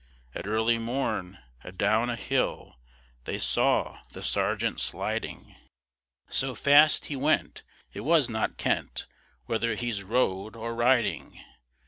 At early morn, adown a hill, They saw the sergeant sliding; So fast he went, it was not ken't Whether he's rode, or riding.